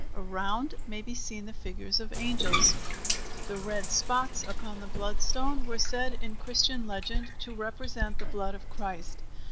Around may be seen the figures of angels. The red spots upon the bloodstone were said in Christian legend to represent the blood of Christ.